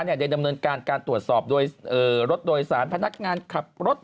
ได้ดำเนินการการตรวจสอบโดยรถโดยสารพนักงานขับรถ